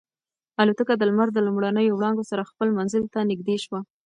الوتکه د لمر د لومړنیو وړانګو سره خپل منزل ته نږدې شوه.